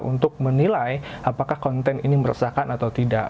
untuk menilai apakah konten ini meresahkan atau tidak